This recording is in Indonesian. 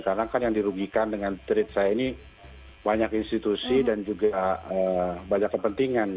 karena kan yang dirugikan dengan tweet saya ini banyak institusi dan juga banyak kepentingan